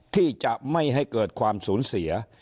ที่จะไม่ให้เกิดความสูญเสีย